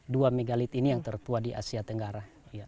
dua megalit ini yang tertua di asia tenggara